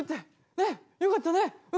ねっよかったねうん。